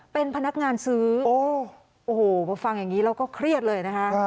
เป็นพนักงานซื้อโอ้โหพอฟังอย่างนี้แล้วก็เครียดเลยนะคะ